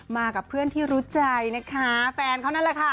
มากับเพื่อนที่รู้ใจนะคะแฟนเขานั่นแหละค่ะ